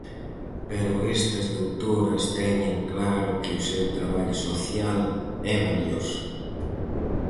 Pero estas doutoras teñen claro que o seu traballo social é valioso.